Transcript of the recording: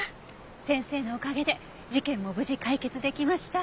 先生のおかげで事件も無事解決できました。